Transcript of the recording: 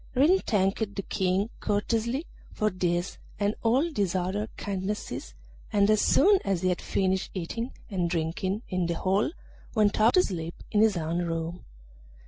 Ring thanked the King courteously for this and all his other kindnesses, and as soon as he had finished eating and drinking in the hall went off to sleep in his own room.